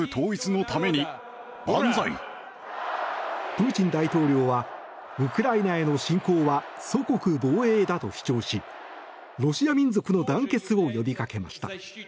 プーチン大統領はウクライナへの侵攻は祖国防衛だと主張しロシア民族の団結を呼びかけました。